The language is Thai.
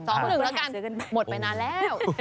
หนึ่งแล้วกันหมดไปนานแล้ว